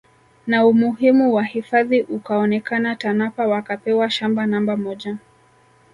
Na umuhimu wa hifadhi ukaonekana Tanapa wakapewa shamba namba moja